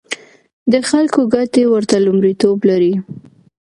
د خلکو ګټې ورته لومړیتوب لري.